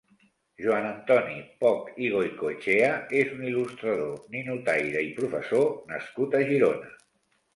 Joan Antoni Poch i Goicoetxea és un il·lustrador, ninotaire i professor nascut a Girona.